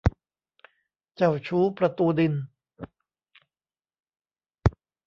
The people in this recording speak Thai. เจ้าชู้ประตูดิน